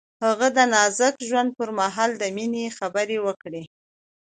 هغه د نازک ژوند پر مهال د مینې خبرې وکړې.